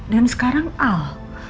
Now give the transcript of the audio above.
dan sekarang al